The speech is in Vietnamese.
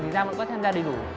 thì giang cũng có tham gia đầy đủ